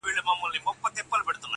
د همدې شپې په سهار کي يې ويده کړم,